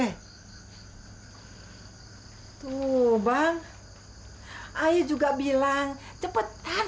hai tuh bang ayo juga bilang cepetan sih mamat bawa pulang